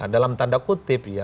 dalam tanda kutip ya